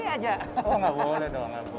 oh gak boleh dong